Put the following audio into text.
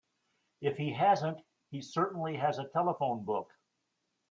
If he hasn't he certainly has a telephone book.